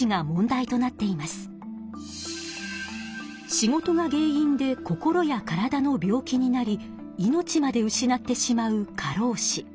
仕事が原因で心や体の病気になり命まで失ってしまう過労死。